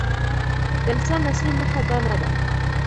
د انسان اصلي نښه دا نه ده.